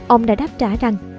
ông đã đáp trả rằng